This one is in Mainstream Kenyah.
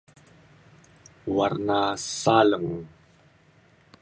warna saleng